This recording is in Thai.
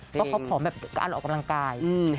เพราะเขาผอมแบบการออกกำลังกาย